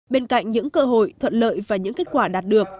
bên cạnh những cơ hội thuận lợi và những kết quả đạt được